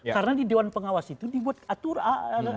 karena di dewan pengawas itu dibuat kepentingan